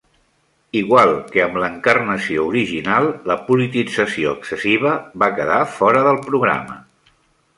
Igual que amb l'encarnació original, la politització excessiva va quedar fora del programa.